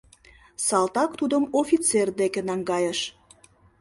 Салтак тудым офицер деке наҥгайыш.